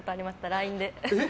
ＬＩＮＥで。